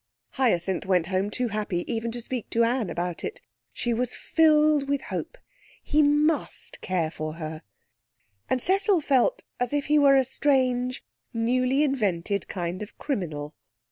Hyacinth went home too happy even to speak to Anne about it. She was filled with hope. He must care for her. And Cecil felt as if he were a strange, newly invented kind of criminal.